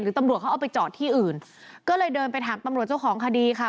ตำรวจเขาเอาไปจอดที่อื่นก็เลยเดินไปถามตำรวจเจ้าของคดีค่ะ